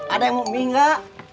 ada yang mau mie gak